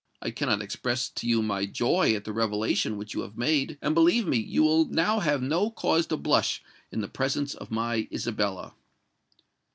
I cannot express to you my joy at the revelation which you have made; and, believe me, you will now have no cause to blush in the presence of my Isabella."